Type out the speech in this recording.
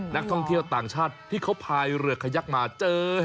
นักท่องเที่ยวต่างชาติที่เขาพายเรือขยักมาเจอ